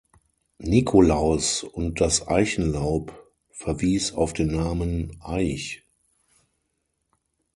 Nikolaus und das Eichenlaub verwies auf den Namen Aich.